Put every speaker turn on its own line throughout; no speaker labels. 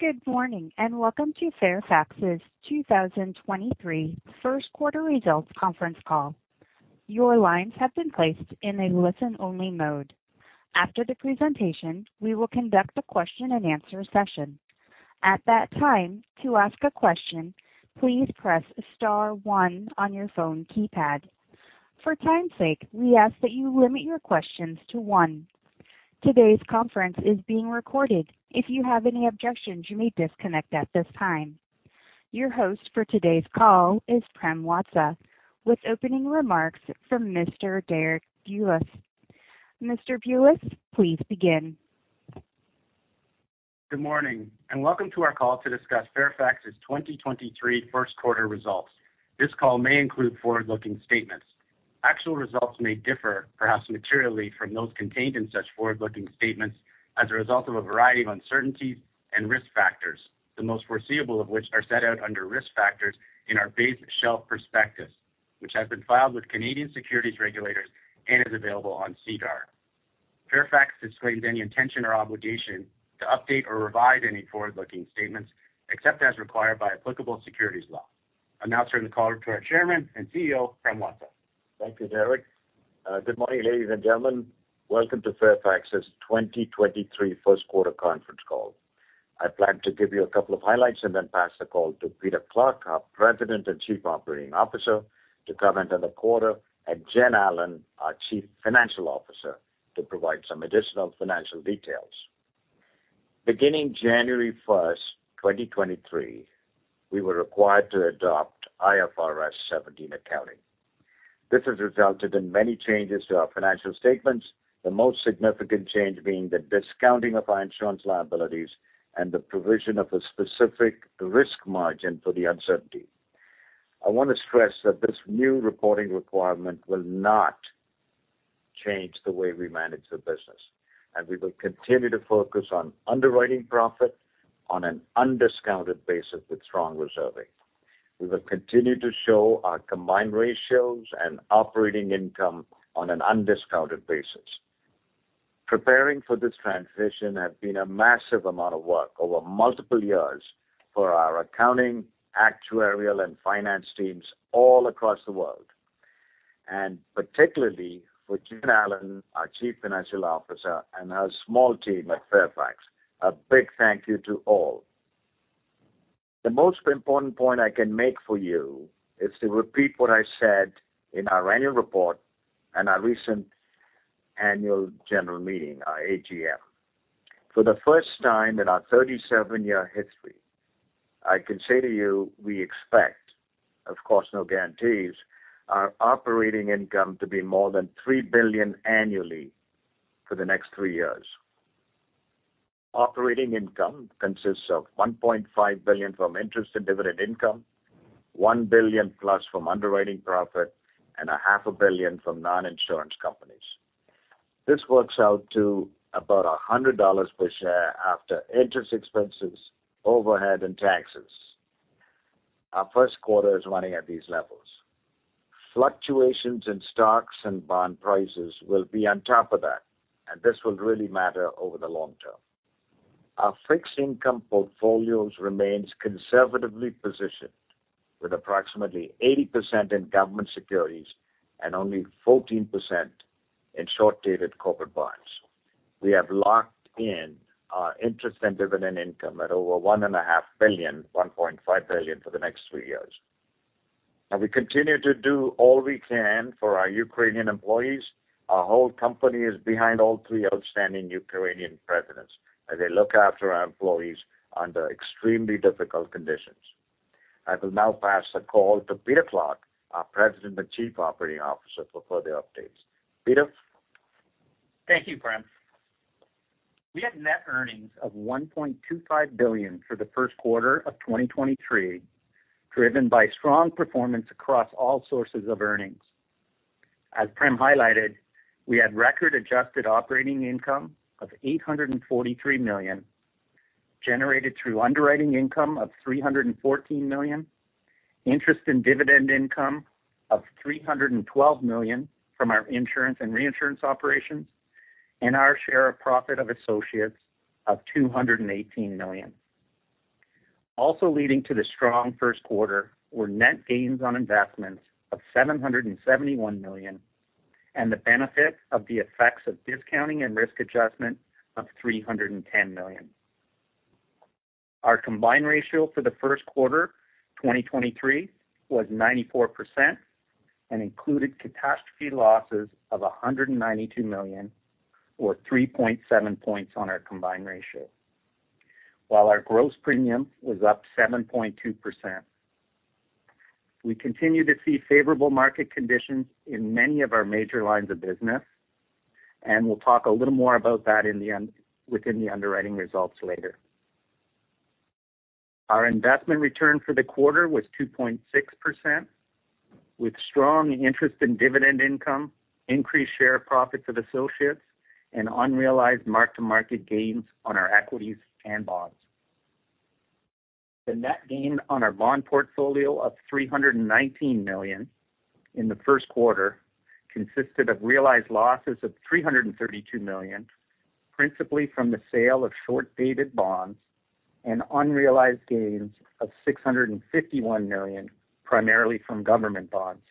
Good morning. Welcome to Fairfax's 2023 first quarter results Conference Call. Your lines have been placed in a listen-only mode. After the presentation, we will conduct a question-and-answer session. At that time, to ask a question, please press star one on your phone keypad. For time's sake, we ask that you limit your questions to one. Today's conference is being recorded. If you have any objections, you may disconnect at this time. Your host for today's call is Prem Watsa, with opening remarks from Mr. Derek Bulas. Mr. Bulas, please begin.
Good morning and welcome to our call to discuss Fairfax's 2023 first quarter results. This call may include forward-looking statements. Actual results may differ, perhaps materially, from those contained in such forward-looking statements as a result of a variety of uncertainties and risk factors, the most foreseeable of which are set out under Risk Factors in our base shelf prospectus, which has been filed with Canadian Securities Regulators and is available on SEDAR. Fairfax disclaims any intention or obligation to update or revise any forward-looking statements, except as required by applicable securities law. I now turn the call to our Chairman and CEO, Prem Watsa.
Thank you, Derek. Good morning, ladies and gentlemen. Welcome to Fairfax's 2023 1st quarter conference call. I plan to give you a couple of highlights and then pass the call to Peter Clarke, our President and Chief Operating Officer, to comment on the quarter, and Jennifer Allen, our Chief Financial Officer, to provide some additional financial details. Beginning January 1st, 2023, we were required to adopt IFRS 17 accounting. This has resulted in many changes to our financial statements, the most significant change being the discounting of our insurance liabilities and the provision of a specific risk margin for the uncertainty. I wanna stress that this new reporting requirement will not change the way we manage the business, and we will continue to focus on underwriting profit on an undiscounted basis with strong reserving. We will continue to show our combined ratios and operating income on an undiscounted basis. Preparing for this transition has been a massive amount of work over multiple years for our accounting, actuarial, and finance teams all across the world, and particularly for Jennifer Allen, our Chief Financial Officer, and her small team at Fairfax. A big thank you to all. The most important point I can make for you is to repeat what I said in our annual report and our recent annual general meeting, our AGM. For the first time in our 37-year history, I can say to you we expect, of course, no guarantees, our operating income to be more than $3 billion annually for the next three years. Operating income consists of $1.5 billion from interest and dividend income, $1 billion-plus from underwriting profit, and a half a billion from non-insurance companies. This works out to about $100 per share after interest expenses, overhead, and taxes. Our first quarter is running at these levels. Fluctuations in stocks and bond prices will be on top of that. This will really matter over the long-term. Our fixed income portfolios remains conservatively positioned, with approximately 80% in government securities and only 14% in short-dated corporate bonds. We have locked in our interest and dividend income at over one and a half billion, $1.5 billion for the next three years. We continue to do all we can for our Ukrainian employees. Our whole company is behind all three outstanding Ukrainian presidents as they look after our employees under extremely difficult conditions. I will now pass the call to Peter Clarke, our President and Chief Operating Officer, for further updates. Peter?
Thank you, Prem. We had net earnings of $1.25 billion for the first quarter of 2023, driven by strong performance across all sources of earnings. As Prem highlighted, we had record adjusted operating income of $843 million, generated through underwriting income of $314 million, interest and dividend income of $312 million from our insurance and reinsurance operations, and our share of profit of associates of $218 million. Leading to the strong first quarter were net gains on investments of $771 million and the benefit of the effects of discounting and risk adjustment of $310 million. Our combined ratio for the first quarter, 2023, was 94% and included catastrophe losses of $192 million, or 3.7 points on our combined ratio, while our gross premium was up 7.2%. We continue to see favorable market conditions in many of our major lines of business. We'll talk a little more about that within the underwriting results later. Our investment return for the quarter was 2.6%, with strong interest in dividend income, increased share of profits of associates, and unrealized mark-to-market gains on our equities and bonds. The net gain on our bond portfolio of $319 million in the first quarter consisted of realized losses of $332 million, principally from the sale of short-dated bonds and unrealized gains of $651 million, primarily from government bonds.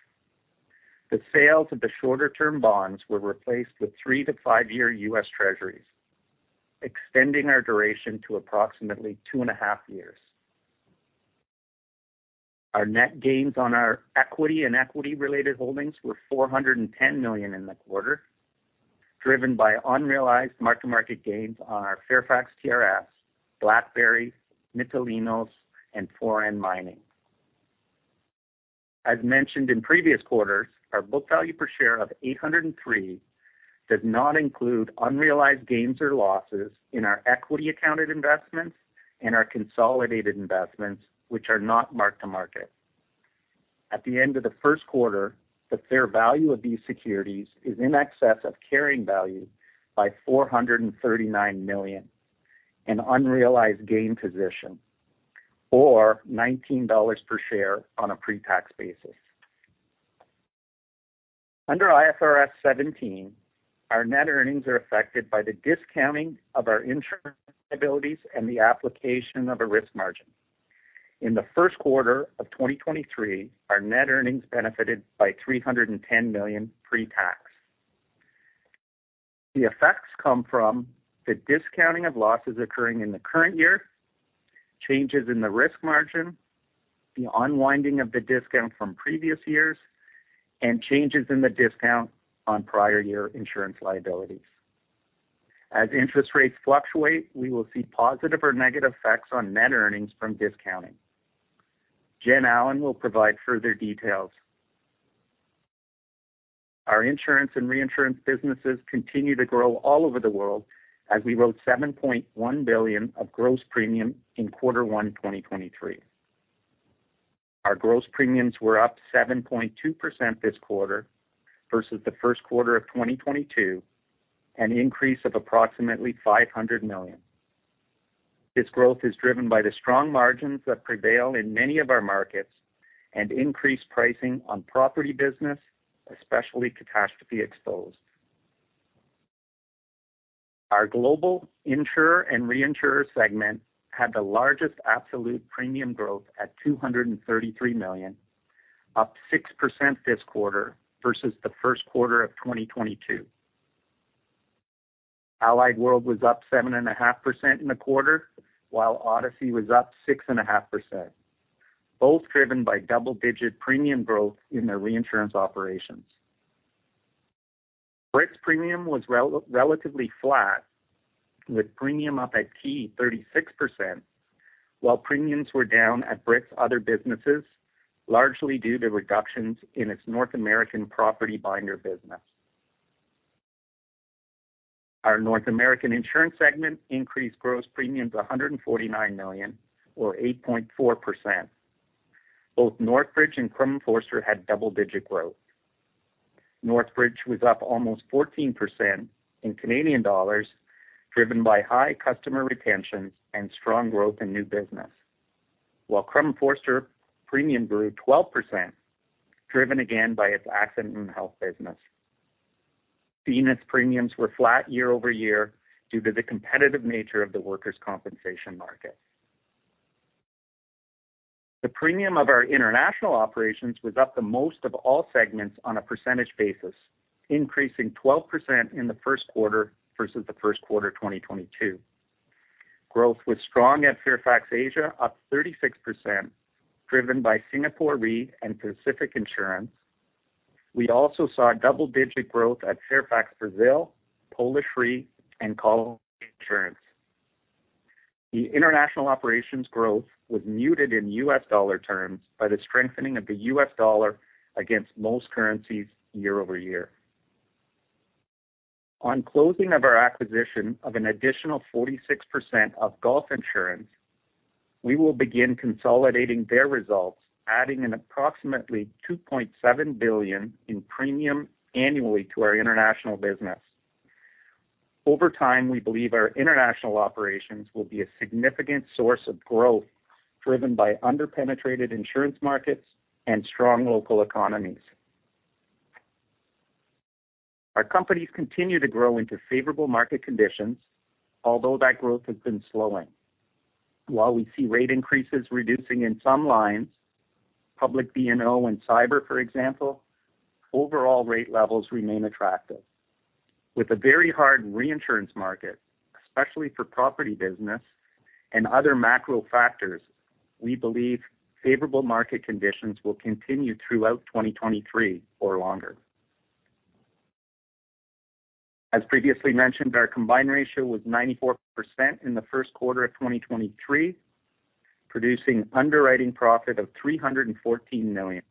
The sales of the shorter-term bonds were replaced with three-to-five year U.S. Treasuries, extending our duration to approximately two and a half years. Our net gains on our equity and equity-related holdings were $410 million in the quarter, driven by unrealized mark-to-market gains on our Fairfax TRS, BlackBerry, Mytilineos, and Foran Mining. As mentioned in previous quarters, our book value per share of $803 does not include unrealized gains or losses in our equity accounted investments and our consolidated investments, which are not mark-to-market. At the end of the first quarter, the fair value of these securities is in excess of carrying value by $439 million in unrealized gain position, or $19 per share on a pre-tax basis. Under IFRS 17, our net earnings are affected by the discounting of our insurance liabilities and the application of a risk margin. In the first quarter of 2023, our net earnings benefited by $310 million pre-tax. The effects come from the discounting of losses occurring in the current year, changes in the risk margin, the unwinding of the discount from previous years, and changes in the discount on prior year insurance liabilities. As interest rates fluctuate, we will see positive or negative effects on net earnings from discounting. Jen Allen will provide further details. Our insurance and reinsurance businesses continue to grow all over the world as we wrote $7.1 billion of gross premium in Q1 2023. Our gross premiums were up 7.2% this quarter versus the first quarter of 2022, an increase of approximately $500 million. This growth is driven by the strong margins that prevail in many of our markets and increased pricing on property business, especially catastrophe exposed. Our global insurer and reinsurer segment had the largest absolute premium growth at $233 million, up 6% this quarter versus the first quarter of 2022. Allied World was up 7.5% in the quarter, while Odyssey was up 6.5%, both driven by double-digit premium growth in their reinsurance operations. Brit's premium was relatively flat, with premium up at Ki 36%, while premiums were down at Brit's other businesses, largely due to reductions in its North American property binder business. Our North American insurance segment increased gross premiums $149 million or 8.4%. Both Northbridge and Crum & Forster had double-digit growth. Northbridge was up almost 14% in CAD, driven by high customer retention and strong growth in new business. Crum & Forster premium grew 12%, driven again by its accident and health business. Zenith premiums were flat year-over-year due to the competitive nature of the workers' compensation market. The premium of our international operations was up the most of all segments on a percentage basis, increasing 12% in the first quarter versus the first quarter, 2022. Growth was strong at Fairfax Asia, up 36%, driven by Singapore Re and Pacific Insurance. We also saw double-digit growth at Fairfax Brazil, Polish Re, and Colony Insurance. The international operations growth was muted in U.S. dollar terms by the strengthening of the U.S. dollar against most currencies year-over-year. On closing of our acquisition of an additional 46% of Gulf Insurance, we will begin consolidating their results, adding an approximately $2.7 billion in premium annually to our international business. Over time, we believe our international operations will be a significant source of growth, driven by underpenetrated insurance markets and strong local economies. Our companies continue to grow into favorable market conditions, although that growth has been slowing. While we see rate increases reducing in some lines, public D&O and cyber, for example, overall rate levels remain attractive. With a very hard reinsurance market, especially for property business and other macro factors, we believe favorable market conditions will continue throughout 2023 or longer. As previously mentioned, our combined ratio was 94% in the first quarter of 2023, producing underwriting profit of $314 million.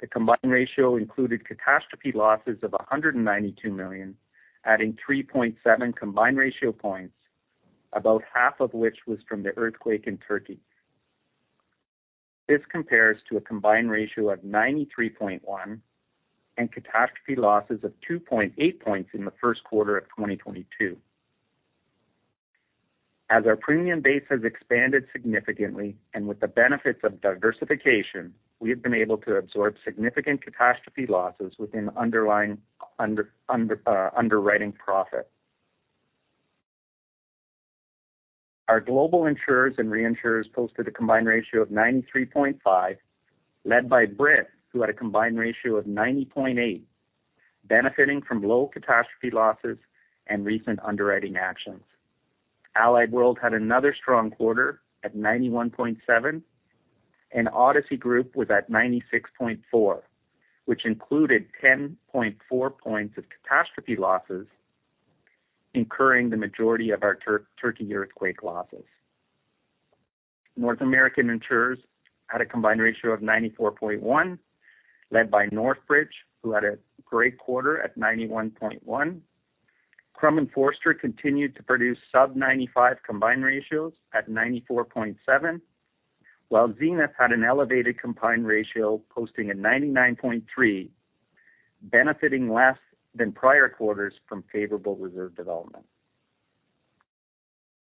The combined ratio included catastrophe losses of $192 million, adding 3.7 combined ratio points, about half of which was from the earthquake in Turkey. This compares to a combined ratio of 93.1 and catastrophe losses of 2.8 points in the first quarter of 2022. As our premium base has expanded significantly and with the benefits of diversification, we have been able to absorb significant catastrophe losses within underlying underwriting profit. Our global insurers and reinsurers posted a combined ratio of 93.5, led by Brit, who had a combined ratio of 90.8, benefiting from low catastrophe losses and recent underwriting actions. Allied World had another strong quarter at 91.7%, and Odyssey Group was at 96.4%, which included 10.4 points of catastrophe losses, incurring the majority of our Turkey earthquake losses. North American insurers had a combined ratio of 94.1%, led by Northbridge, who had a great quarter at 91.1%. Crum & Forster continued to produce sub 95 combined ratios at 94.7%, while Zenith had an elevated combined ratio posting at 99.3%, benefiting less than prior quarters from favorable reserve development.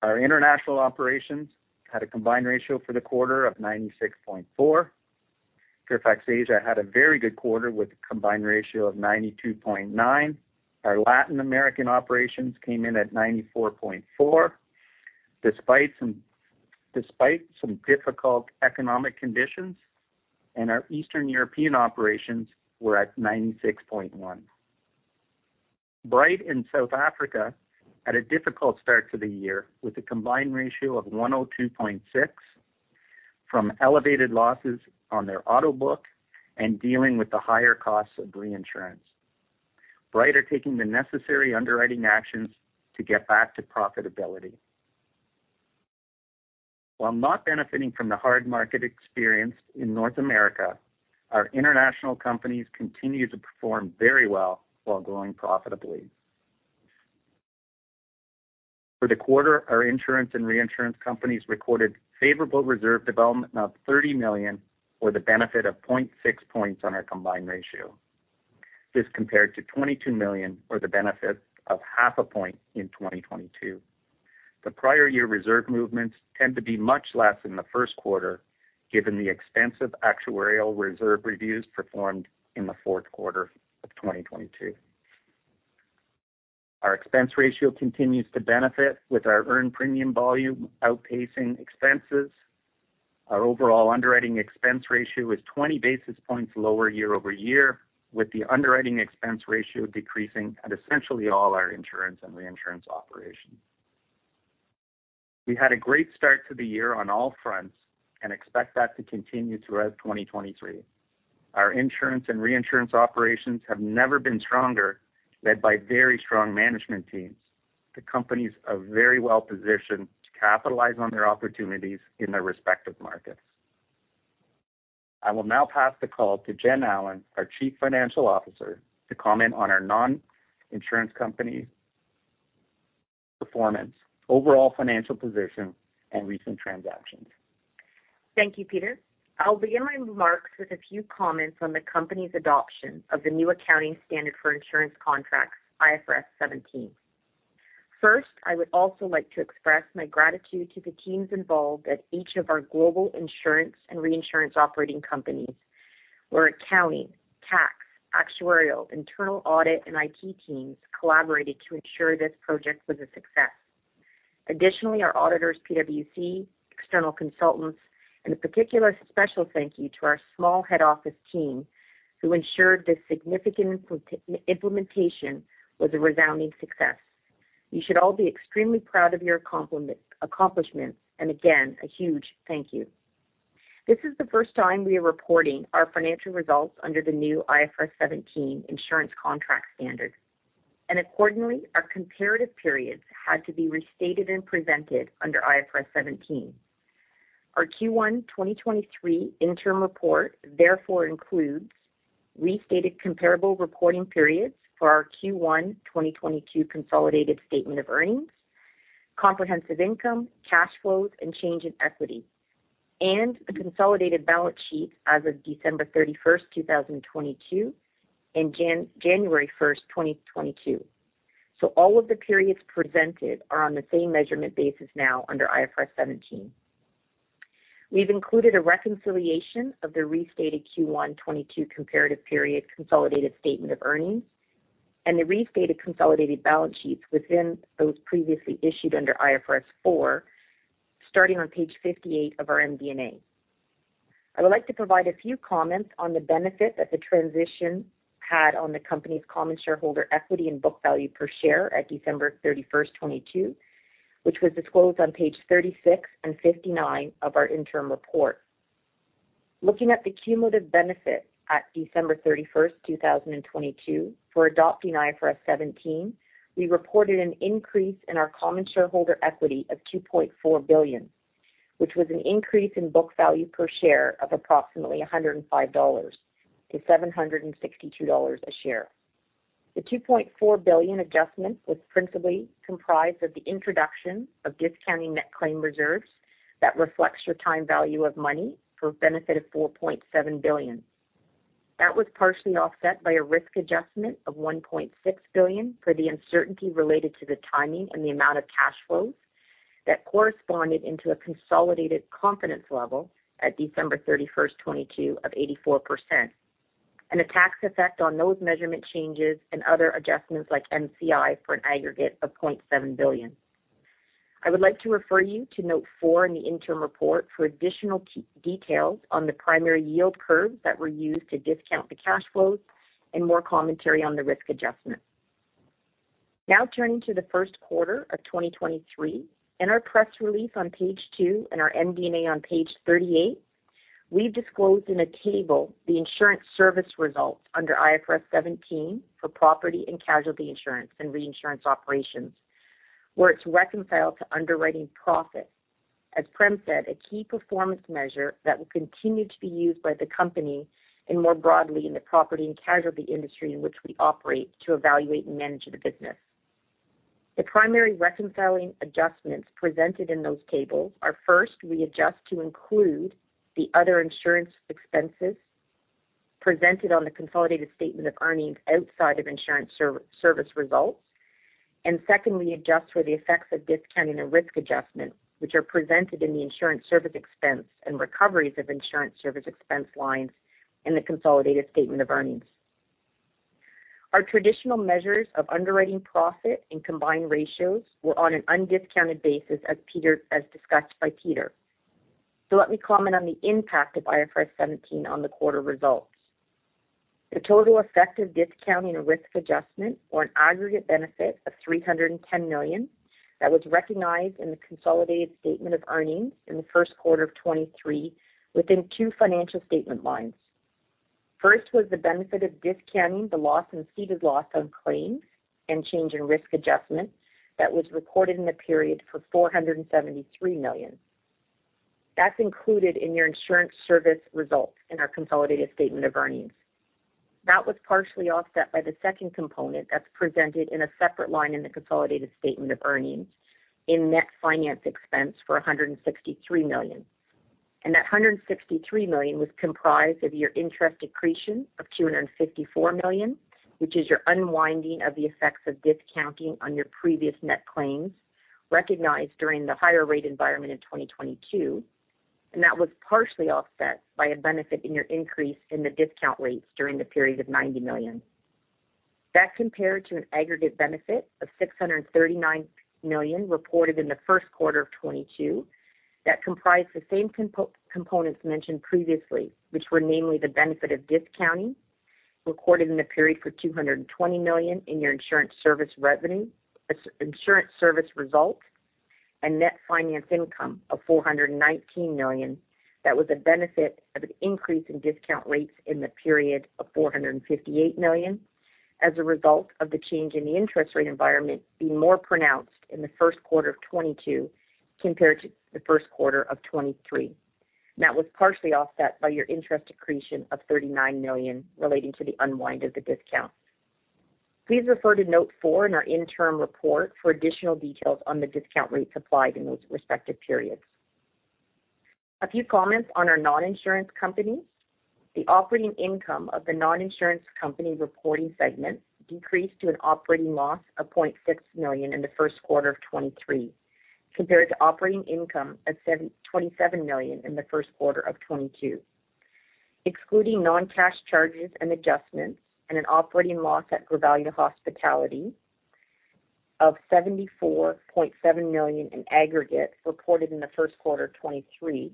Our international operations had a combined ratio for the quarter of 96.4%. Fairfax Asia had a very good quarter with a combined ratio of 92.9%. Our Latin American operations came in at 94.4% despite some difficult economic conditions, and our Eastern European operations were at 96.1%. Bryte Insurance in South Africa had a difficult start to the year with a combined ratio of 102.6 from elevated losses on their auto book and dealing with the higher costs of reinsurance. Bryte Insurance are taking the necessary underwriting actions to get back to profitability. While not benefiting from the hard market experience in North America, our international companies continue to perform very well while growing profitably. For the quarter, our insurance and reinsurance companies recorded favorable reserve development of $30 million, or the benefit of 0.6 points on our combined ratio. This compared to $22 million, or the benefit of half a point in 2022. The prior year reserve movements tend to be much less in the first quarter given the extensive actuarial reserve reviews performed in the fourth quarter of 2022. Our expense ratio continues to benefit with our earned premium volume outpacing expenses. Our overall underwriting expense ratio is 20 basis points lower year-over-year, with the underwriting expense ratio decreasing at essentially all our insurance and reinsurance operations. We had a great start to the year on all fronts and expect that to continue throughout 2023. Our insurance and reinsurance operations have never been stronger, led by very strong management teams. The companies are very well positioned to capitalize on their opportunities in their respective markets. I will now pass the call to Jen Allen, our Chief Financial Officer, to comment on our non-insurance company performance, overall financial position, and recent transactions.
Thank you, Peter. I'll begin my remarks with a few comments on the company's adoption of the new accounting standard for insurance contracts, IFRS 17. First, I would also like to express my gratitude to the teams involved at each of our global insurance and reinsurance operating companies, where accounting, tax, actuarial, internal audit, and IT teams collaborated to ensure this project was a success. Additionally, our auditors, PwC, external consultants, and a particular special thank you to our small head office team who ensured this significant implementation was a resounding success. You should all be extremely proud of your accomplishment. Again, a huge thank you. This is the first time we are reporting our financial results under the new IFRS 17 insurance contract standard, and accordingly, our comparative periods had to be restated and presented under IFRS 17. Our Q1 2023 interim report therefore includes restated comparable reporting periods for our Q1 2022 consolidated statement of earnings, comprehensive income, cash flows, and change in equity, and the consolidated balance sheets as of December 31st, 2022, and January 1st, 2022. All of the periods presented are on the same measurement basis now under IFRS 17. We've included a reconciliation of the restated Q1 2022 comparative period consolidated statement of earnings and the restated consolidated balance sheets within those previously issued under IFRS 4, starting on page 58 of our MD&A. I would like to provide a few comments on the benefit that the transition had on the company's common shareholder equity and book value per share at December 31st, 2022, which was disclosed on page 36 and 59 of our interim report. Looking at the cumulative benefit at December 31st, 2022 for adopting IFRS 17, we reported an increase in our common shareholder equity of $2.4 billion, which was an increase in book value per share of approximately $105 to $762 a share. The $2.4 billion adjustment was principally comprised of the introduction of discounting net claim reserves that reflects your time value of money for a benefit of $4.7 billion. That was partially offset by a risk adjustment of $1.6 billion for the uncertainty related to the timing and the amount of cash flows that corresponded into a consolidated confidence level at December 31st, 2022 of 84%. A tax effect on those measurement changes and other adjustments like NCI for an aggregate of $0.7 billion. I would like to refer you to note four in the interim report for additional details on the primary yield curves that were used to discount the cash flows and more commentary on the risk adjustment. Now turning to the first quarter of 2023. In our press release on page two and our MD&A on page 38, we've disclosed in a table the insurance service results under IFRS 17 for property and casualty insurance and reinsurance operations, where it's reconciled to underwriting profit. As Prem said, a key performance measure that will continue to be used by the company and more broadly in the property and casualty industry in which we operate to evaluate and manage the business. The primary reconciling adjustments presented in those tables are, first, we adjust to include the other insurance expenses presented on the consolidated statement of earnings outside of insurance service results. Second, we adjust for the effects of discounting and risk adjustment, which are presented in the insurance service expense and recoveries of insurance service expense lines in the consolidated statement of earnings. Our traditional measures of underwriting profit and combined ratios were on an undiscounted basis as discussed by Peter. So let me comment on the impact of IFRS 17 on the quarter results. The total effect of discounting and risk adjustment, or an aggregate benefit of $310 million, that was recognized in the consolidated statement of earnings in the first quarter of 2023 within two financial statement lines. First was the benefit of discounting the loss and ceded loss on claims and change in risk adjustment that was recorded in the period for $473 million. That's included in your insurance service results in our consolidated statement of earnings. That was partially offset by the second component that's presented in a separate line in the consolidated statement of earnings in net finance expense for $163 million. That $163 million was comprised of your interest accretion of $254 million, which is your unwinding of the effects of discounting on your previous net claims recognized during the higher rate environment in 2022. That was partially offset by a benefit in your increase in the discount rates during the period of $90 million. That compared to an aggregate benefit of $639 million reported in the first quarter of 2022 that comprised the same components mentioned previously, which were namely the benefit of discounting recorded in the period for $220 million in your insurance service result, and net finance income of $419 million that was a benefit of an increase in discount rates in the period of $458 million as a result of the change in the interest rate environment being more pronounced in the first quarter of 2022 compared to the first quarter of 2023. That was partially offset by your interest accretion of $39 million relating to the unwind of the discount. Please refer to note four in our interim report for additional details on the discount rates applied in those respective periods. A few comments on our non-insurance company. The operating income of the non-insurance company reporting segment decreased to an operating loss of $0.6 million in the first quarter of 2023 compared to operating income of $27 million in the first quarter of 2022. Excluding non-cash charges and adjustments and an operating loss at Grivalia Hospitality of $74.7 million in aggregate reported in the first quarter of 2023.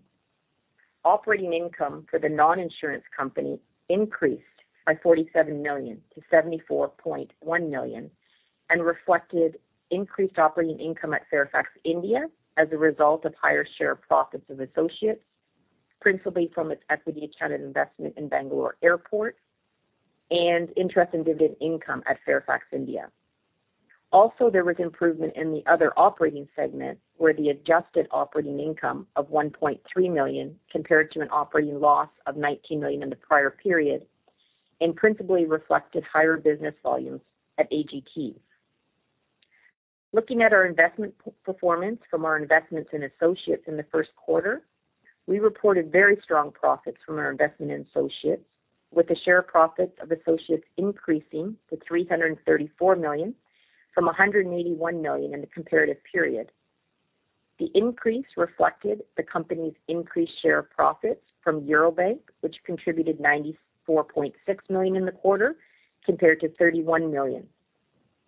Operating income for the non-insurance company increased by $47 million to $74.1 million and reflected increased operating income at Fairfax India as a result of higher share of profits of associates, principally from its equity accounted investment in Bangalore Airport and interest in dividend income at Fairfax India. There was improvement in the other operating segment, where the adjusted operating income of $1.3 million compared to an operating loss of $19 million in the prior period and principally reflected higher business volumes at AGT. Looking at our investment performance from our investments in associates in the first quarter. We reported very strong profits from our investment in associates, with the share of profits of associates increasing to $334 million from $181 million in the comparative period. The increase reflected the company's increased share of profits from Eurobank, which contributed $94.6 million in the quarter, compared to $31 million.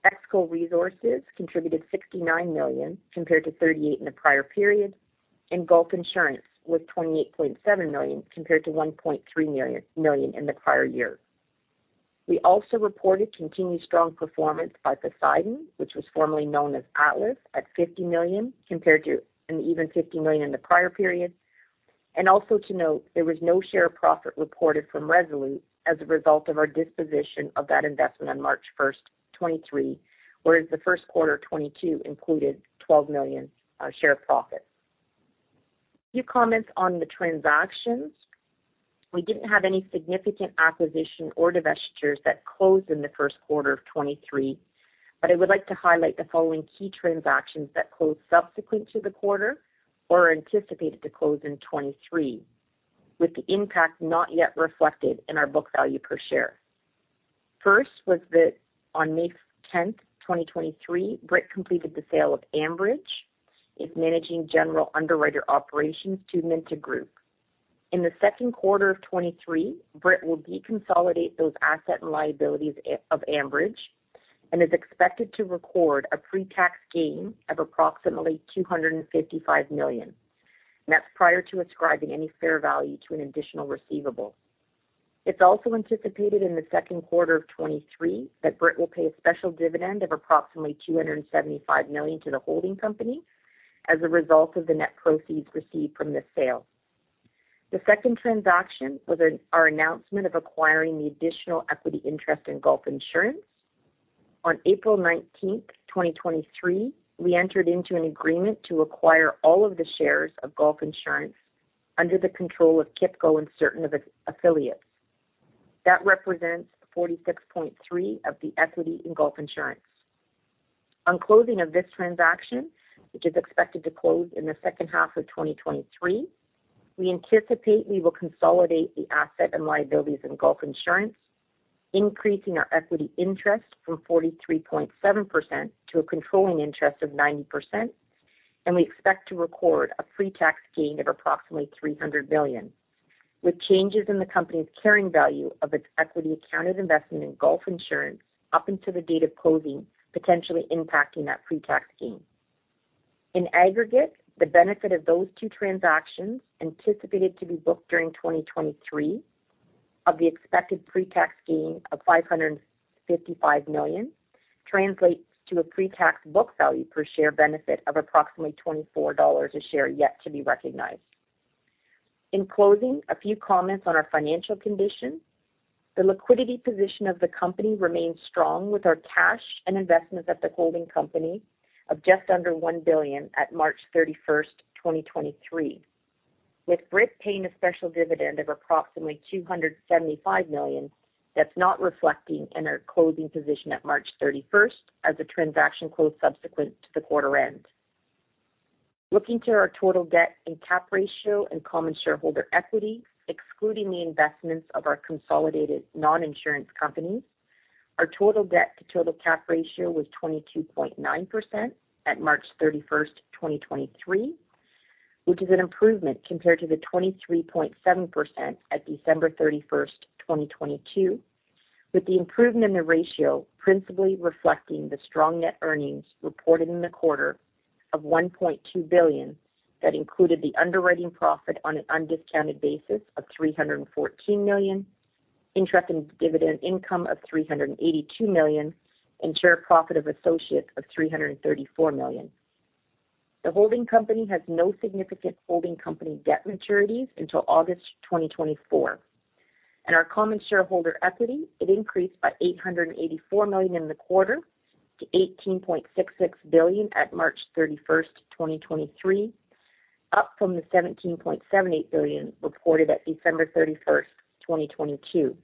EXCO Resources contributed $69 million compared to $38 million in the prior period. Gulf Insurance was $28.7 million compared to $1.3 million in the prior year. We also reported continued strong performance by Poseidon, which was formerly known as Atlas, at $50 million, compared to an even $50 million in the prior period. Also to note there was no share of profit reported from Resolute as a result of our disposition of that investment on March 1st, 2023, whereas the 1st quarter of 2022 included $12 million share of profit. Few comments on the transactions. We didn't have any significant acquisition or divestitures that closed in the 1st quarter of 2023, but I would like to highlight the following key transactions that closed subsequent to the quarter or are anticipated to close in 2023, with the impact not yet reflected in our book value per share. First was that on May 10th, 2023, Brit completed the sale of Ambridge, its managing general underwriter operations to Amynta Group. In the second quarter of 2023, Brit will deconsolidate those asset and liabilities of Ambridge and is expected to record a pre-tax gain of approximately $255 million. That's prior to ascribing any fair value to an additional receivable. It's also anticipated in the second quarter of 2023 that Brit will pay a special dividend of approximately $275 million to the holding company as a result of the net proceeds received from the sale. The second transaction was our announcement of acquiring the additional equity interest in Gulf Insurance. On April 19th, 2023, we entered into an agreement to acquire all of the shares of Gulf Insurance under the control of KIPCO and certain of its affiliates. That represents 46.3% of the equity in Gulf Insurance. On closing of this transaction, which is expected to close in the second half of 2023, we anticipate we will consolidate the asset and liabilities in Gulf Insurance, increasing our equity interest from 43.7% to a controlling interest of 90%, and we expect to record a pre-tax gain of approximately $300 million, with changes in the company's carrying value of its equity accounted investment in Gulf Insurance up until the date of closing, potentially impacting that pre-tax gain. In aggregate, the benefit of those two transactions anticipated to be booked during 2023 of the expected pre-tax gain of $555 million translates to a pre-tax book value per share benefit of approximately $24 a share yet to be recognized. In closing, a few comments on our financial condition. The liquidity position of the company remains strong with our cash and investments at the holding company of just under $1 billion at March 31, 2023, with Brit paying a special dividend of approximately $275 million that's not reflecting in our closing position at March 31 as a transaction closed subsequent to the quarter end. Looking to our total debt and cap ratio and common shareholder equity, excluding the investments of our consolidated non-insurance companies, our total debt to total cap ratio was 22.9% at March 31, 2023, which is an improvement compared to the 23.7% at December 31, 2022, with the improvement in the ratio principally reflecting the strong net earnings reported in the quarter of $1.2 billion that included the underwriting profit on an undiscounted basis of $314 million, interest and dividend income of $382 million, and share profit of associates of $334 million. The holding company has no significant holding company debt maturities until August 2024. Our common shareholder equity, it increased by $884 million in the quarter to $18.66 billion at March 31, 2023, up from the $17.78 billion reported at December 31, 2022.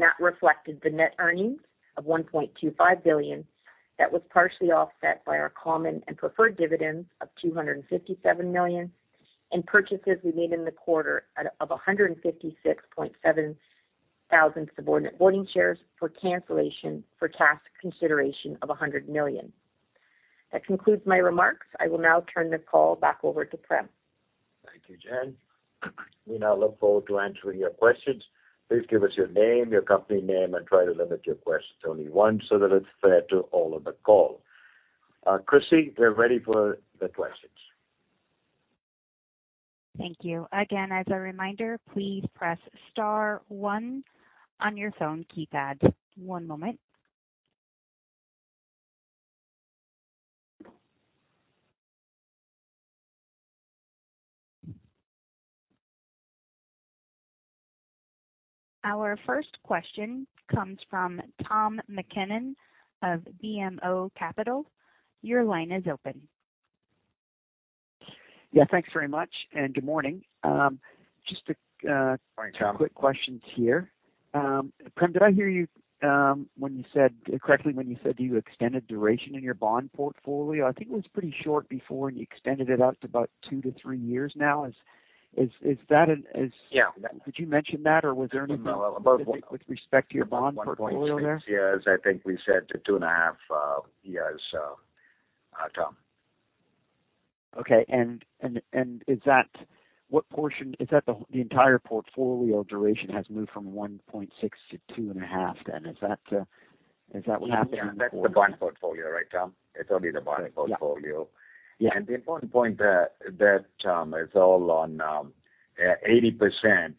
That reflected the net earnings of $1.25 billion that was partially offset by our common and preferred dividends of $257 million and purchases we made in the quarter out of 156.7 thousand subordinate voting shares for cancellation for tax consideration of $100 million. That concludes my remarks. I will now turn the call back over to Prem.
Thank you, Jen. We now look forward to answering your questions. Please give us your name, your company name, and try to limit your questions to only one so that it's fair to all on the call. Christy, we're ready for the questions.
Thank you. Again, as a reminder, please press star one on your phone keypad. One moment. Our first question comes from Tom MacKinnon of BMO Capital. Your line is open.
Yeah, thanks very much. Good morning.
Morning, Tom.
quick questions here. Prem, did I hear you, when you said, correctly when you said you extended duration in your bond portfolio? I think it was pretty short before and you extended it out to about two to three years now. Is that an?
Yeah.
Did you mention that or was there any with respect to your bond portfolio there?
About 1.6 years, I think we said to 2.5 years, Tom.
Okay. Is that the entire portfolio duration has moved from 1.6-2.5 then? Is that what happened in the quarter?
Yeah, that's the bond portfolio, right, Tom? It's only the bond portfolio.
Yeah.
The important point there, Tom, is all on 80%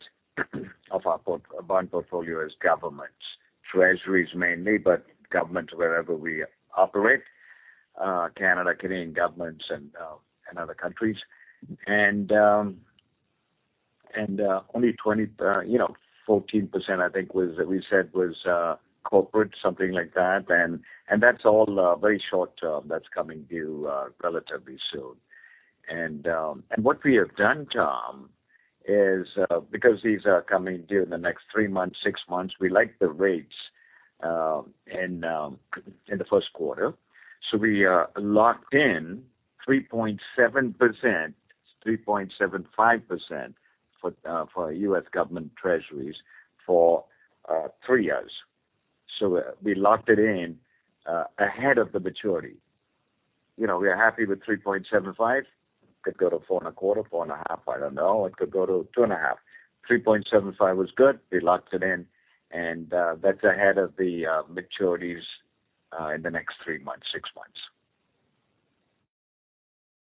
of our bond portfolio is governments. Treasuries mainly, but governments wherever we operate, Canada, Canadian governments and other countries. Only 20, you know, 14% I think was, we said was corporate, something like that. That's all very short-term. That's coming due relatively soon. What we have done, Tom, is because these are coming due in the next three months, six months, we like the rates in the first quarter. We locked in 3.7%, 3.75% for U.S. government Treasuries for three years. We locked it in ahead of the maturity. You know, we are happy with 3.75. Could go to four and a quarter, four and a half, I don't know. It could go to two and a half. 3.75 was good. We locked it in, and that's ahead of the maturities in the next three months, six months.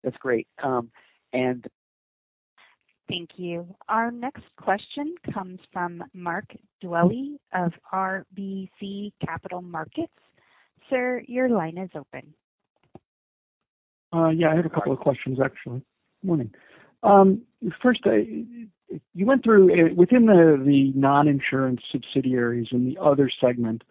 That's great.
Thank you. Our next question comes from Mark Dwelle of RBC Capital Markets. Sir, your line is open.
Yeah, I have a couple of questions actually. Morning. First, you went through, within the non-insurance subsidiaries in the other segment,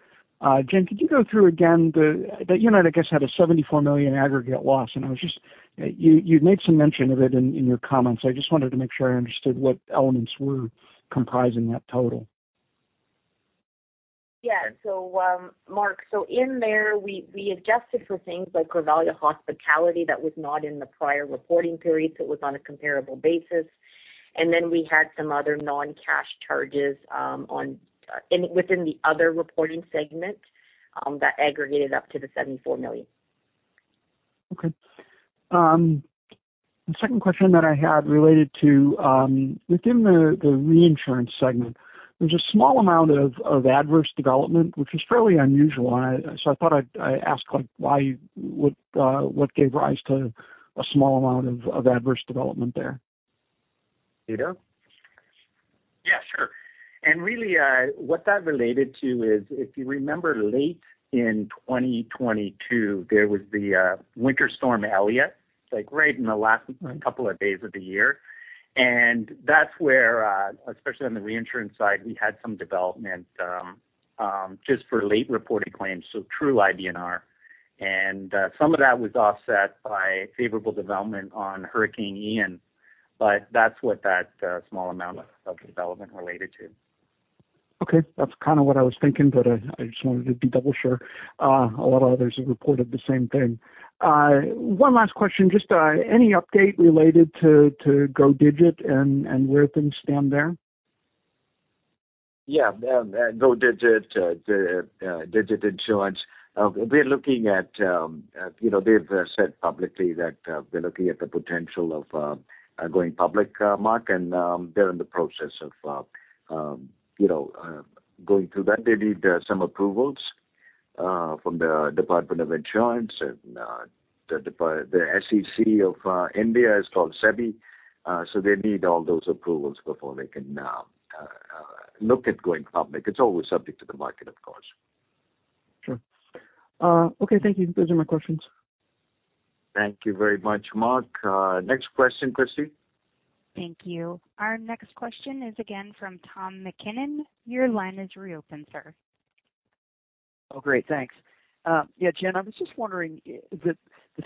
Jen, could you go through again that United, I guess, had a $74 million aggregate loss, and I was just. You made some mention of it in your comments. I just wanted to make sure I understood what elements were comprising that total.
Mark, so in there we adjusted for things like Grivalia Hospitality that was not in the prior reporting period, so it was on a comparable basis. We had some other non-cash charges on within the other reporting segment that aggregated up to the $74 million.
Okay. The second question that I had related to within the reinsurance segment, there's a small amount of adverse development, which is fairly unusual. I thought I'd ask, like, why, what gave rise to a small amount of adverse development there?
Peter?
Yeah, sure. Really, what that related to is, if you remember late in 2022, there was the Winter Storm Elliott, like right in the last couple of days of the year. That's where, especially on the reinsurance side, we had some development, just for late reported claims, so true IBNR. Some of that was offset by favorable development on Hurricane Ian. That's what that small amount of development related to.
Okay. That's kind of what I was thinking, but I just wanted to be double sure. A lot of others have reported the same thing. One last question. Just any update related to Go Digit and where things stand there?
Yeah. Go Digit, the Digit Insurance, we're looking at, you know, they've said publicly that we're looking at the potential of going public, Mark, and they're in the process of, you know, going through that. They need some approvals from the Department of Insurance and the SEC of India is called SEBI. They need all those approvals before they can look at going public. It's always subject to the market, of course.
Sure. Okay, thank you. Those are my questions.
Thank you very much, Mark. Next question, Christy.
Thank you. Our next question is again from Tom MacKinnon. Your line is reopened, sir.
Oh, great. Thanks. Yeah, Jen, I was just wondering, the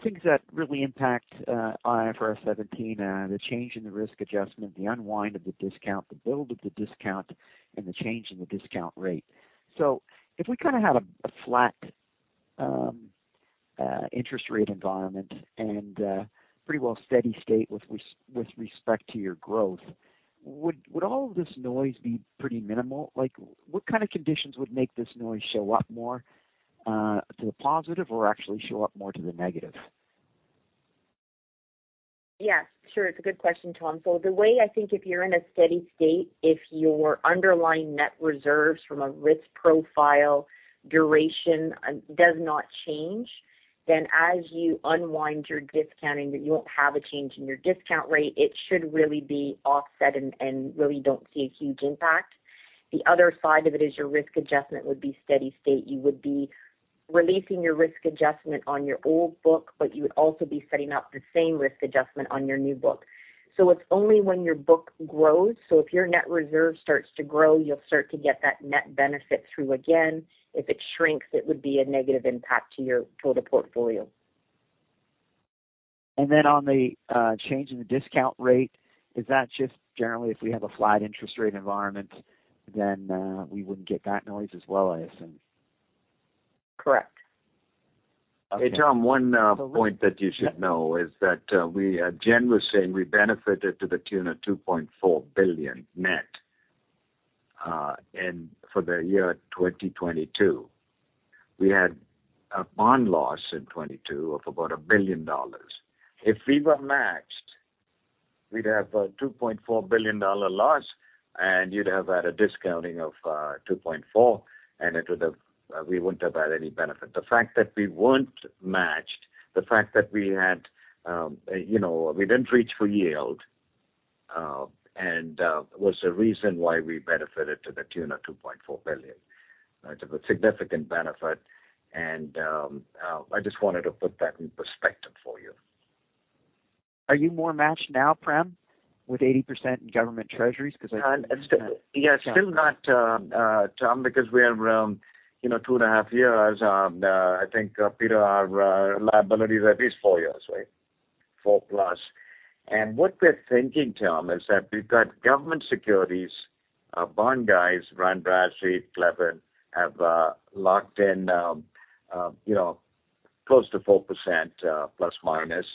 things that really impact, IFRS 17, the change in the risk adjustment, the unwind of the discount, the build of the discount, and the change in the discount rate. If we kind of have a flat interest rate environment and pretty well steady state with respect to your growth, would all of this noise be pretty minimal? Like what kind of conditions would make this noise show up more to the positive or actually show up more to the negative?
Yes, sure. It's a good question, Tom MacKinnon. The way I think if you're in a steady state, if your underlying net reserves from a risk profile duration does not change, then as you unwind your discounting, you won't have a change in your discount rate. It should really be offset, and really don't see a huge impact. The other side of it is your risk adjustment would be steady state. You would be releasing your risk adjustment on your old book, but you would also be setting up the same risk adjustment on your new book. It's only when your book grows. If your net reserve starts to grow, you'll start to get that net benefit through again. If it shrinks, it would be a negative impact to your total portfolio.
On the change in the discount rate, is that just generally if we have a flat interest rate environment, then we wouldn't get that noise as well, I assume?
Correct.
Hey, Tom, one point that you should know is that as Jen was saying, we benefited to the tune of $2.4 billion net for the year 2022. We had a bond loss in 2022 of about $1 billion. If we were matched, we'd have a $2.4 billion loss, and you'd have had a discounting of $2.4, and it would have, we wouldn't have had any benefit. The fact that we weren't matched, the fact that we had, you know, we didn't reach for yield, was the reason why we benefited to the tune of $2.4 billion. It's a significant benefit. I just wanted to put that in perspective for you.
Are you more matched now, Prem, with 80% government treasuries? Because I-
Yeah. Still not, Tom, because we are around, you know, two and a half years. I think, Peter, our liability is at least four years, right? Four plus. What we're thinking, Tom, is that we've got government securities, bond guys, Ron Bradley, Clement, have locked in, you know, close to 4%, plus minus,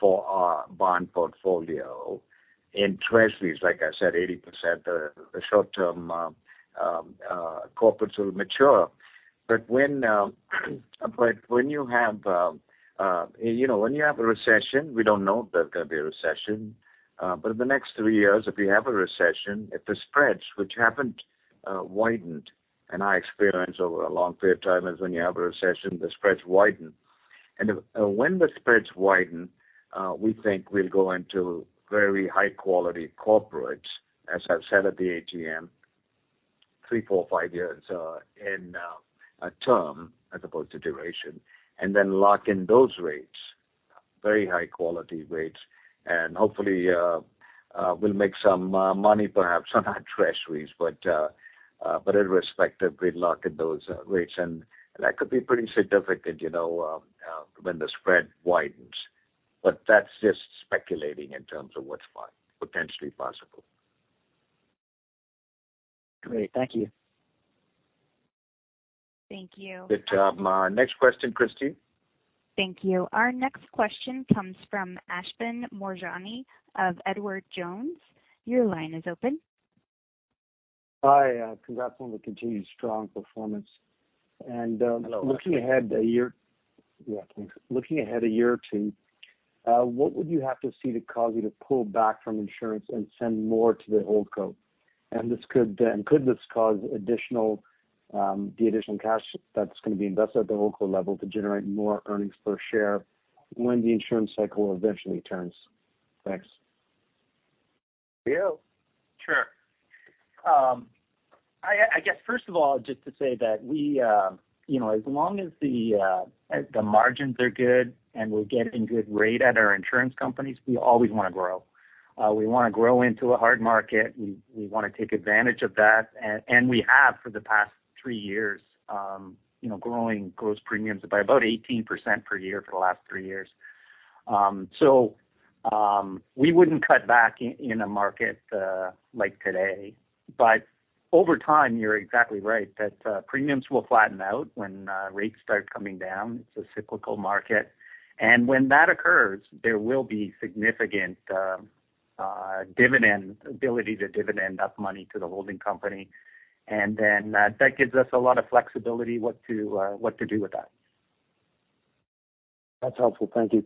for our bond portfolio. In treasuries, like I said, 80%, the short-term, corporates will mature. When you have, you know, when you have a recession, we don't know if there's gonna be a recession. In the next three years, if we have a recession, if the spreads, which haven't widened, and I experienced over a long period of time, is when you have a recession, the spreads widen. If when the spreads widen, we think we'll go into very high quality corporates, as I've said at the AGM, three, four, five years in term as opposed to duration, and then lock in those rates, very high quality rates. Hopefully, we'll make some money, perhaps on our U.S. Treasuries. Irrespective, we lock in those rates. That could be pretty significant, you know, when the spread widens. That's just speculating in terms of what's potentially possible.
Great. Thank you.
Thank you.
Good job. Next question, Christine.
Thank you. Our next question comes from Ashvin Moorjani of Edward Jones. Your line is open.
Hi, congrats on the continued strong performance.
Hello Ashvin.
Yeah. Thanks. Looking ahead a year or two, what would you have to see to cause you to pull back from insurance and send more to the hold co? Could this, and could this cause the additional cash that's gonna be invested at the holdco level to generate more earnings per share when the insurance cycle eventually turns? Thanks.
Leo.
Sure. I guess first of all, just to say that we, you know, as long as the margins are good and we're getting good rate at our insurance companies, we always wanna grow. We wanna grow into a hard market. We wanna take advantage of that. And we have for the past three years, you know, growing gross premiums by about 18% per year for the last three years. We wouldn't cut back in a market like today. Over time, you're exactly right that premiums will flatten out when rates start coming down. It's a cyclical market. When that occurs, there will be significant dividend, ability to dividend up money to the holding company. That gives us a lot of flexibility what to, what to do with that.
That's helpful. Thank you.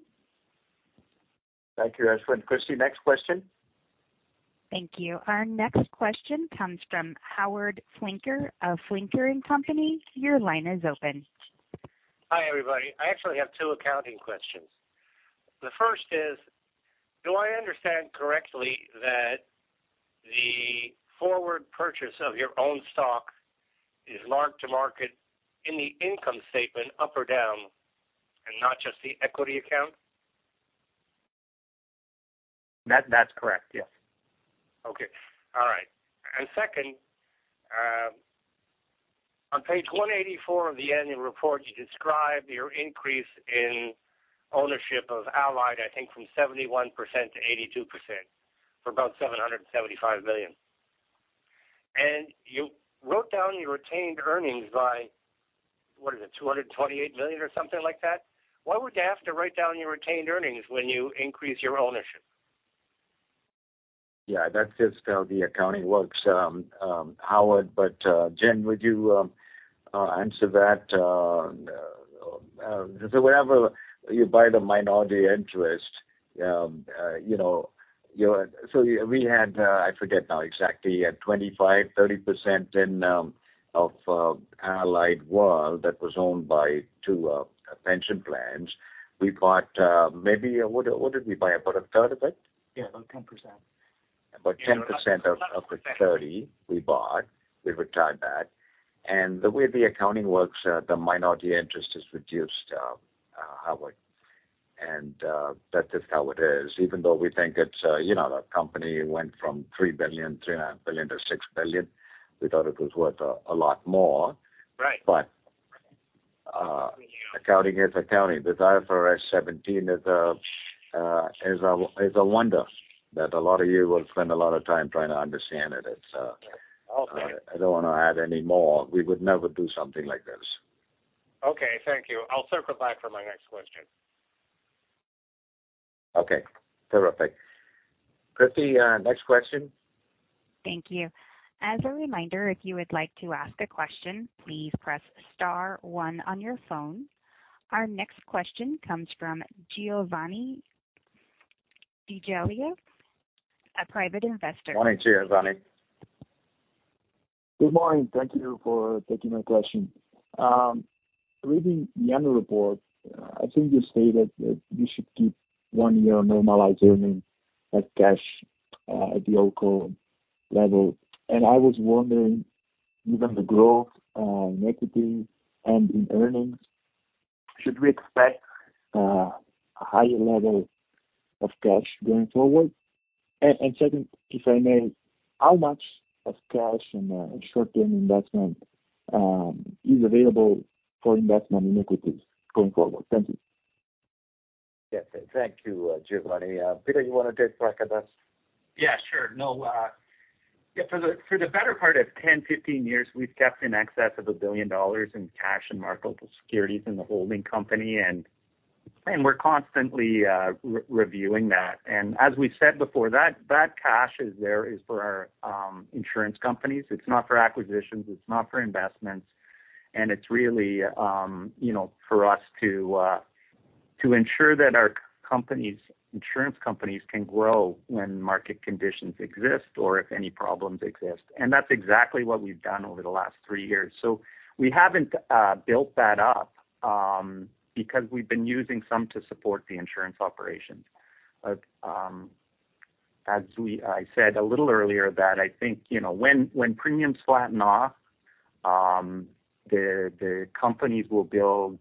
Thank you, Ashvin. Christine, next question.
Thank you. Our next question comes from Howard Flinker of Flinker & Company. Your line is open.
Hi, everybody. I actually have two accounting questions. The first is, do I understand correctly that the forward purchase of your own stock is marked to market in the income statement up or down, and not just the equity account?
That's correct. Yes.
Okay. All right. Second, on page 184 of the annual report, you describe your increase in ownership of Allied, I think from 71%-82% for about $775 million. You wrote down your retained earnings by, what is it, $228 million or something like that. Why would you have to write down your retained earnings when you increase your ownership?
Yeah, that's just how the accounting works, Howard. Jen, would you answer that? Whenever you buy the minority interest, you know, we had, I forget now exactly, at 25%, 30% in of Allied World that was owned by 2 pension plans. We bought, maybe. What did we buy? About a third of it?
Yeah, about 10%.
About 10% of the 30 we bought. We retired that. The way the accounting works, the minority interest is reduced, Howard. That's just how it is. Even though we think it's, you know, the company went from $3 billion, $3.5 billion to $6 billion, we thought it was worth a lot more.
Right.
accounting is accounting. Desire for S seventeen is a wonder that a lot of you will spend a lot of time trying to understand it.
Okay.
I don't wanna add any more. We would never do something like this.
Okay, thank you. I'll circle back for my next question.
Okay, terrific. Christine, next question.
Thank you. As a reminder, if you would like to ask a question, please press star one on your phone. Our next question comes from Giovanni DeGiglio, a private investor.
Morning to you, Giovanni.
Good morning. Thank you for taking my question. Reading the annual report, I think you stated that you should keep 1 year normalized earnings as cash. At the local level. I was wondering, given the growth, in equity and in earnings, should we expect a higher level of cash going forward? Second, if I may, how much of cash and short-term investment is available for investment in equities going forward? Thank you.
Yes, thank you, Giovanni. Peter, you wanna take a crack at that?
Yeah, sure. No, yeah, for the better part of 10-15 years, we've kept in excess of $1 billion in cash and market securities in the holding company, and we're constantly re-reviewing that. As we said before, that cash is there for our insurance companies. It's not for acquisitions, it's not for investments. It's really, you know, for us to ensure that our companies, insurance companies can grow when market conditions exist or if any problems exist. That's exactly what we've done over the last threeyears. We haven't built that up because we've been using some to support the insurance operations. I said a little earlier that I think, you know, when premiums flatten off, the companies will build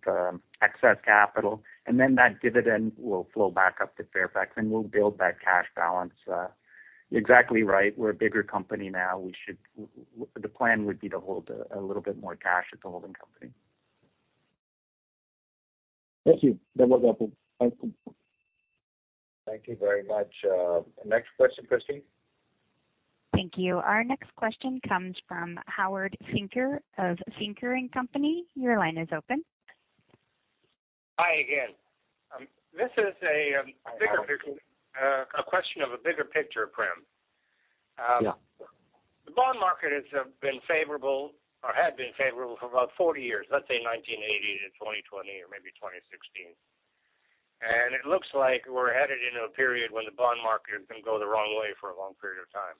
excess capital, and then that dividend will flow back up to Fairfax, and we'll build that cash balance. You're exactly right. We're a bigger company now. We should... the plan would be to hold a little bit more cash at the holding company.
Thank you. That was helpful. Thank you.
Thank you very much. Next question, Christine.
Thank you. Our next question comes from Howard Flinker of Flinker & Co.. Your line is open.
Hi again. This is a.
Hi, Howard.
A question of a bigger picture, Prem.
Yeah.
The bond market has been favorable or had been favorable for about 40 years, let's say 1980 to 2020 or maybe 2016. It looks like we're headed into a period when the bond market is gonna go the wrong way for a long period of time.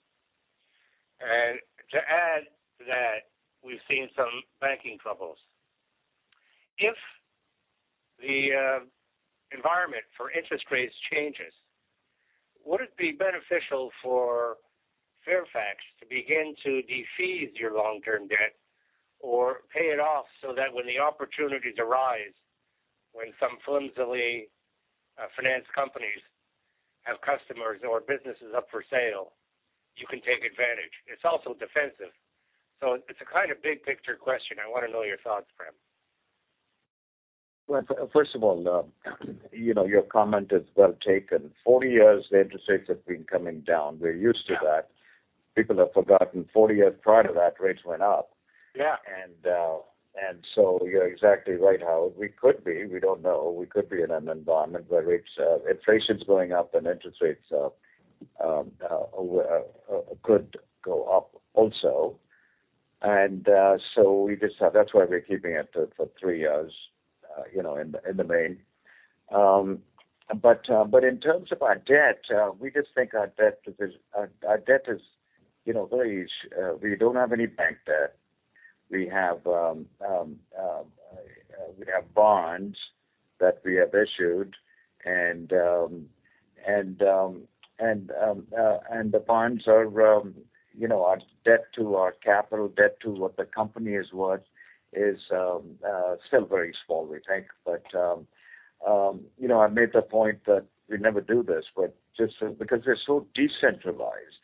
To add to that, we've seen some banking troubles. If the environment for interest rates changes, would it be beneficial for Fairfax to begin to defease your long-term debt or pay it off so that when the opportunities arise, when some flimsily finance companies have customers or businesses up for sale, you can take advantage? It's also defensive. It's a kind of big picture question. I wanna know your thoughts, Prem.
Well, first of all, you know, your comment is well taken. 40 years, the interest rates have been coming down. We're used to that. People have forgotten 40 years prior to that, rates went up.
Yeah.
You're exactly right, Howard. We could be. We don't know. We could be in an environment where rates, inflation's going up and interest rates could go up also. That's why we're keeping it for three years, you know, in the main. In terms of our debt, we just think our debt is, you know, very... We don't have any bank debt. We have bonds that we have issued and the bonds are, you know, our debt to our capital, debt to what the company is worth is still very small, we think. You know, I made the point that we never do this, but just because they're so decentralized,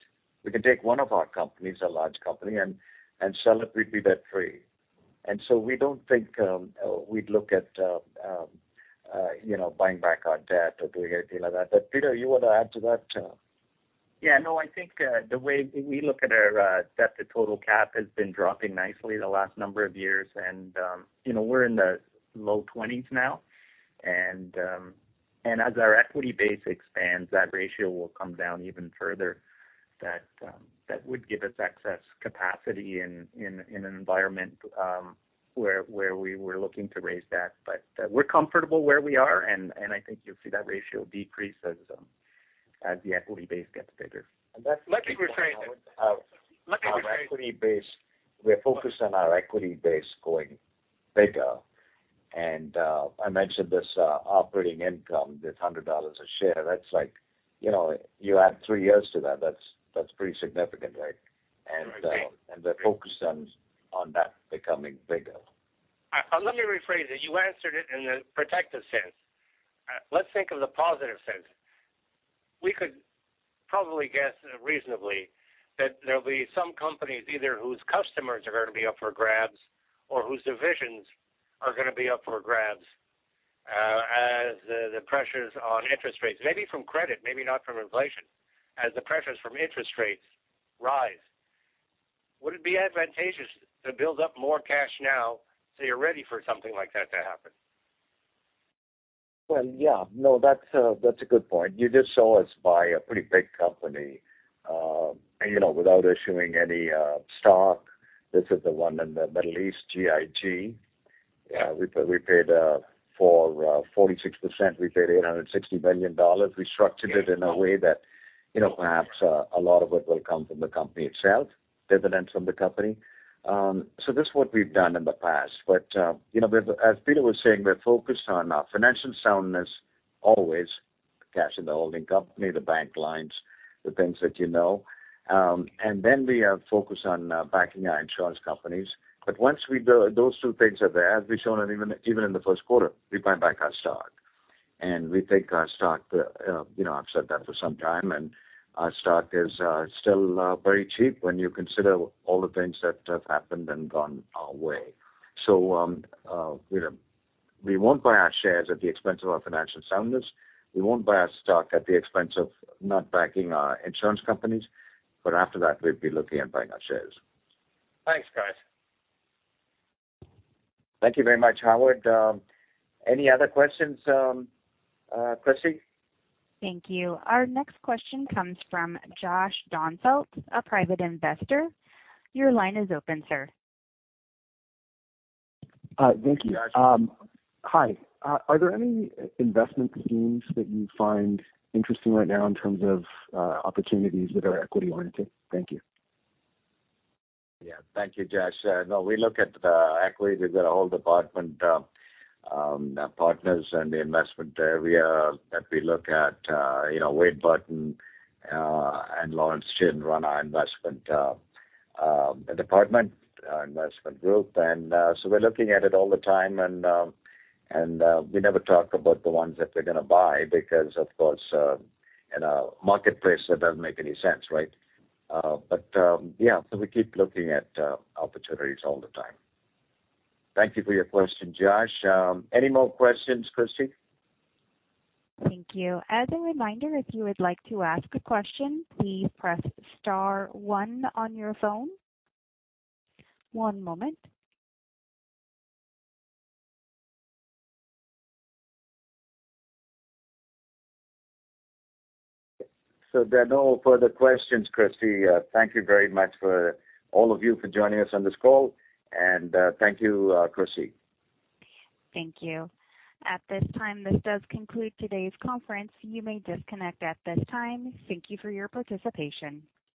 we can take one of our companies, a large company, and sell it, we'd be debt free. We don't think, we'd look at, you know, buying back our debt or doing anything like that. Peter, you want to add to that?
Yeah, no, I think the way we look at our debt to total cap has been dropping nicely the last number of years and, you know, we're in the low 20s now. As our equity base expands, that ratio will come down even further. That would give us excess capacity in an environment where we were looking to raise debt. We're comfortable where we are, and I think you'll see that ratio decrease as the equity base gets bigger.
And that's-
Let me rephrase it.
Our equity base, we're focused on our equity base going bigger. I mentioned this operating income, this $100 a share. That's like, you know, you add three years to that's pretty significant, right?
Right.
The focus on that becoming bigger.
Let me rephrase it. You answered it in a protective sense. Let's think of the positive sense. We could probably guess reasonably that there'll be some companies either whose customers are gonna be up for grabs or whose divisions are gonna be up for grabs, as the pressures on interest rates, maybe from credit, maybe not from inflation, as the pressures from interest rates rise. Would it be advantageous to build up more cash now, so you're ready for something like that to happen?
Yeah, no, that's a good point. You just saw us buy a pretty big company, and, you know, without issuing any stock. This is the one in the Middle East, GIG. We paid for 46%, we paid $860 billion. We structured it in a way that, you know, perhaps, a lot of it will come from the company itself, dividends from the company. This is what we've done in the past. You know, we've, as Peter was saying, we're focused on our financial soundness. Always the cash in the holding company, the bank lines, the things that you know. We are focused on backing our insurance companies. Once those two things are there, as we've shown even in the first quarter, we buy back our stock. We think our stock, you know, I've said that for some time, and our stock is still very cheap when you consider all the things that have happened and gone our way. You know, we won't buy our shares at the expense of our financial soundness. We won't buy our stock at the expense of not backing our insurance companies. After that, we'll be looking at buying our shares.
Thanks, guys.
Thank you very much, Howard. Any other questions, Christy?
Thank you. Our next question comes from Jaad Doghmatrix, a private investor. Your line is open, sir.
Thank you. Hi. Are there any investment themes that you find interesting right now in terms of opportunities that are equity oriented? Thank you.
Yeah, thank you, Jaad. No, we look at equity. We've got a whole department, partners in the investment area that we look at. You know, Wade Burton and Lawrence Chin run our investment department, investment group. So we're looking at it all the time, and we never talk about the ones that we're gonna buy because, of course, in a marketplace, that doesn't make any sense, right? But yeah, so we keep looking at opportunities all the time. Thank you for your question, Jaad. Any more questions, Christy?
Thank you. As a reminder, if you would like to ask a question, please press star one on your phone. One moment.
There are no further questions, Christy. Thank you very much for all of you for joining us on this call. Thank you, Christy.
Thank you. At this time, this does conclude today's conference. You may disconnect at this time. Thank you for your participation.